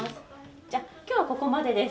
じゃ今日はここまでです。